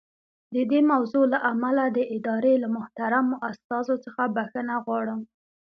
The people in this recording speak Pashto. د دې موضوع له امله د ادارې له محترمو استازو څخه بښنه غواړم.